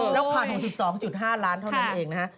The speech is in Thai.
แล้วขาด๖๒๕ล้านเท่านั้นเองนะฮะ